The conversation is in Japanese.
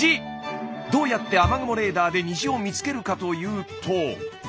どうやって雨雲レーダーで虹を見つけるかというと。